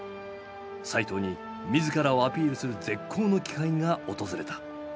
齋藤に自らをアピールする絶好の機会が訪れた。